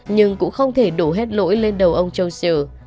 nhưng cũng không thể đổ hết lỗi lên đầu ông johnsil